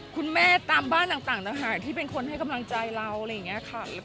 คุณแม่ตามบ้านต่างที่เป็นคนให้กำลังใจเรา